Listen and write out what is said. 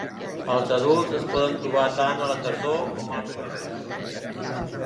Els adults es poden trobar tant a la tardor com a la primavera.